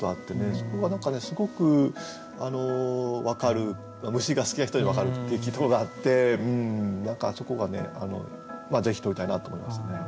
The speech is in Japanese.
そこが何かねすごく分かる虫が好きな人に分かるって聞いたことがあって何かそこがねぜひとりたいなと思いますね。